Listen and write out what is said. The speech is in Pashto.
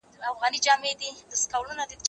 هغه وويل چي زدکړه مهمه ده؟!